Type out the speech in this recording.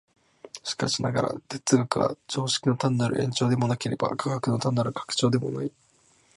しかしながら、哲学は常識の単なる延長でもなければ、科学の単なる拡張でもない。